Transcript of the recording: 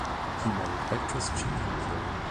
He married actress Jean Huntley.